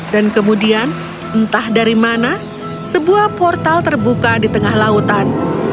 dan kemudian entah dari mana sebuah portal terbuka di tengah lautan